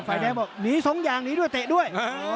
ฟื่อแดงบอกหนีทรงยางหนีด้วยเตะด้วย